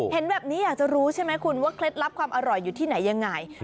เห็นแบบนี้อยากจะรู้ใช่ไหมคุณว่าเคล็ดลับความอร่อยอยู่ที่ไหนยังไง